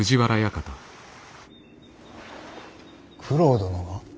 九郎殿が？